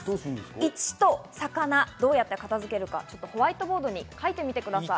「一」と「魚」どうやって片付けるかホワイトボードに書いてみてください。